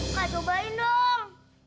kak cobain dong